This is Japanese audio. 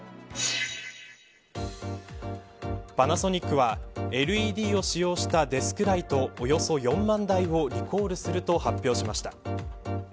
パナソニックはＬＥＤを使用したデスクライトおよそ４万台をリコールすると発表しました。